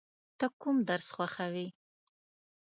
ته کوم درس خوښوې؟